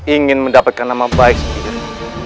ingin mendapatkan nama baik sendiri